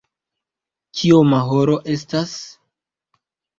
Kioma horo estas?